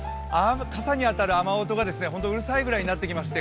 傘に当たる雨音がうるさいぐらいになってきまして